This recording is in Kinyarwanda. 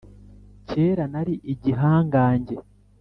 kera nari igihangange.